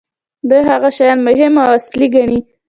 دي هغه شیان مهم او اصیل ګڼي.